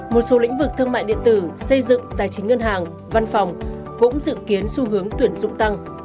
một số lĩnh vực thương mại điện tử xây dựng tài chính ngân hàng văn phòng cũng dự kiến xu hướng tuyển dụng tăng